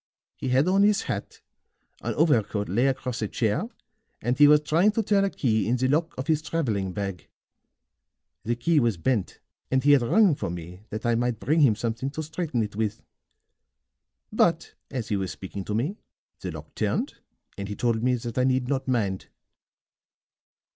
He had on his hat, an overcoat lay across a chair and he was trying to turn a key in the lock of his traveling bag. The key was bent and he had rung for me that I might bring him something to straighten it with. But as he was speaking to me, the lock turned, and he told me that I need not mind."